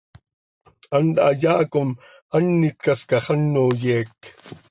Hant hayaa com an itcascax, ano yeec.